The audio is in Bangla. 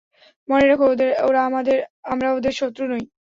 মনে রেখো, আমরা ওদের শত্রু নই।